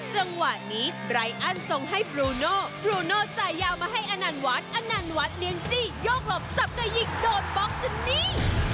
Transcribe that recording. จังหวะนี้ไบรอันส่งให้ปลูโนปลูโนจ่ายาวมาให้อันนันวัดอันนันวัดเนียงจี้ยกหลบสับกะยิงโดนบล็อกซะนี้